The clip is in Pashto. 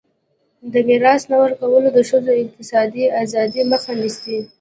د میراث نه ورکول د ښځو د اقتصادي ازادۍ مخه نیسي.